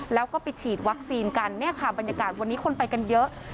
แล้วก็ไปฉีดวัคซีนกันเนี่ยค่ะบรรยากาศวันนี้คนไปกันเยอะ